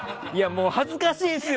恥ずかしいんすよ